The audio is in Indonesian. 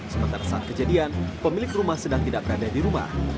sementara saat kejadian pemilik rumah sedang tidak berada di rumah